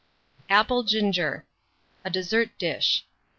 APPLE GINGER. (A Dessert Dish.)